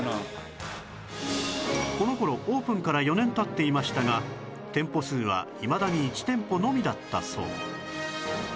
この頃オープンから４年経っていましたが店舗数はいまだに１店舗のみだったそう